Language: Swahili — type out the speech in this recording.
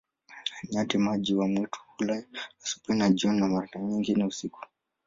Nyati-maji wa mwitu hula asubuhi na jioni, na mara nyingine usiku.